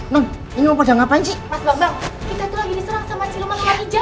non ini mau padam ngapain sih